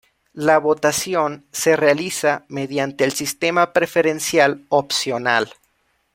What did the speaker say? La votación se realiza mediante el sistema preferencial opcional.